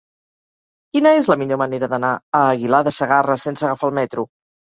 Quina és la millor manera d'anar a Aguilar de Segarra sense agafar el metro?